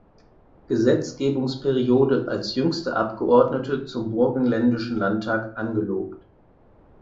Gesetzgebungsperiode als jüngste Abgeordnete zum Burgenländischen Landtag angelobt.